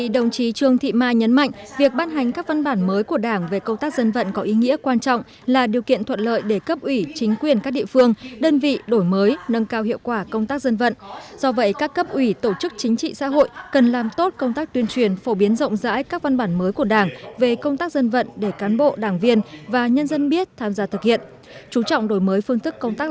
đồng chí trương thị mai ủy viên bộ chính trị bí thư trung ương đảng trưởng ban dân vận trung ương